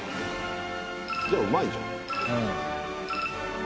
じゃあうまいじゃん。